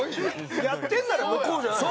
やってんなら向こうじゃないの？